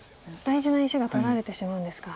大事な石が取られてしまうんですか。